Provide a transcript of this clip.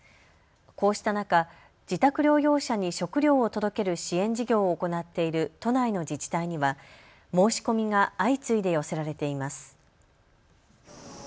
こうした中、自宅療養者に食料を届ける支援事業を行っている都内の自治体には申し込みが相次いで寄せられています。